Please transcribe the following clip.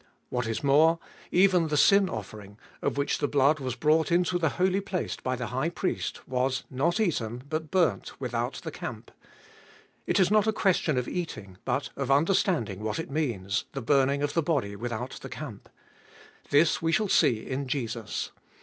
What is more, even the sin offering, of which the blood was brought into the Holy Place by the High Priest, was — not eaten, but — burnt without the camp. It is not a question of eating, but of understanding what it means, the burning of the body without the camp. This we shall see in Jesus.